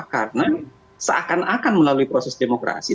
karena seakan akan melalui proses demokrasi